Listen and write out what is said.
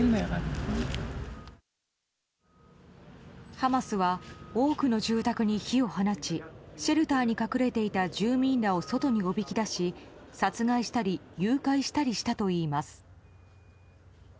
ハマスは多くの住宅に火を放ちシェルターに隠れていた住民らを外におびき出し、殺害したり誘拐したりしたといいます。